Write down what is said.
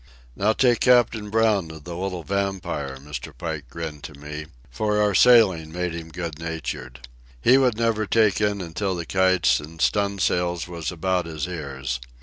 "Now take Captain Brown of the little Vampire," Mr. Pike grinned to me, for our sailing made him good natured. "He never would take in until the kites an' stu'n'sails was about his ears.